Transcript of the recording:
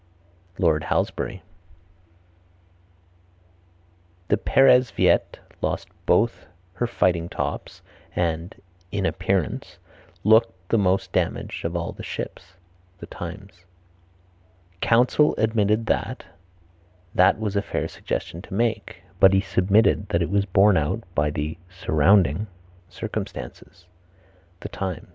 Lord Halsbury. The Peresviet lost both her fighting tops and (in appearance) looked the most damaged of all the ships The Times. Counsel admitted that, that was a fair suggestion to make, but he submitted that it was borne out by the (surrounding) circumstances. Ibid.